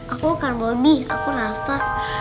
aku akan bomi aku rasa